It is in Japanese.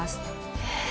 へえ！